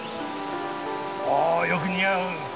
おおよく似合う。